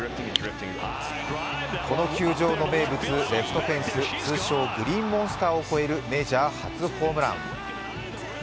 この球場の名物レフトフェンス、通称グリーンモンスターを越えるメジャー初ホームラン。